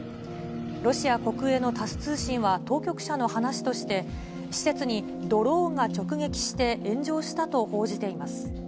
ロシア国営のタス通信は、当局者の話として、施設にドローンが直撃して、炎上したと報じています。